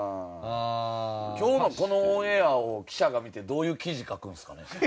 今日のこのオンエアを記者が見てどういう記事書くんですかね？